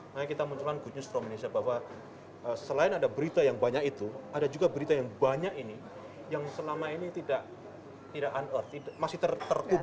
makanya kita munculkan good news from indonesia bahwa selain ada berita yang banyak itu ada juga berita yang banyak ini yang selama ini tidak masih tertutup